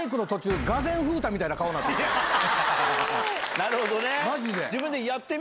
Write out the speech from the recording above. なるほどね。